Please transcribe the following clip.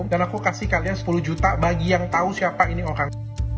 dan aku kasih kalian sepuluh juta bagi yang tahu siapa ini orang